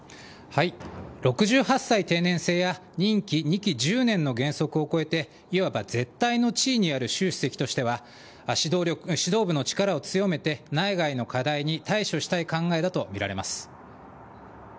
６８歳定年制や任期２期１０年の原則を超えていわば絶対の地位にある習主席としては指導部の力を強めて内外の課題に対処したい考えだとみられます。